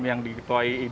yang diketuai ida